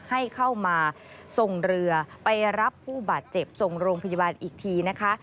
ให้เข้ามาส่งเรือไปรับผู้บาดเจ็บส่งโรงพยาบาลอีกทีนะคะ